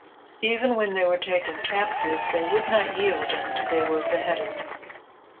Even when they were taken captive, they would not yield and they were beheaded.